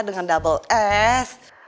dengan double s